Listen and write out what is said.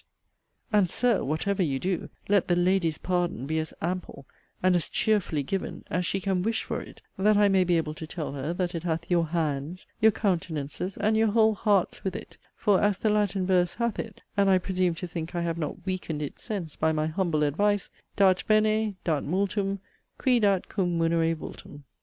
And, Sir, whatever you do, let the 'lady's pardon' be as 'ample,' and as 'cheerfully given,' as she can 'wish for it': that I may be able to tell her, that it hath your 'hands,' your 'countenances,' and your 'whole hearts,' with it for, as the Latin verse hath it, (and I presume to think I have not weakened its sense by my humble advice), 'Dat bene, dat multum, qui dat cum munere vultum.'